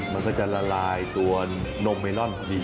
มันก็จะละลายตัวนมเมลอนพอดี